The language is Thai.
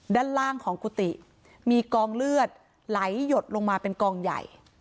ด้านล่างของกุฏิมีกองเลือดไหลหยดลงมาเป็นกองใหญ่